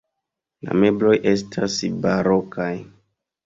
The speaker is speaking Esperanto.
La mebloj estas barokaj.